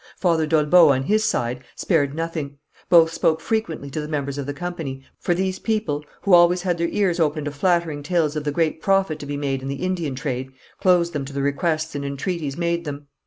Father d'Olbeau, on his side, spared nothing; both spoke frequently to the members of the company, but in vain, for these people, who always had their ears open to flattering tales of the great profit to be made in the Indian trade, closed them to the requests and entreaties made them.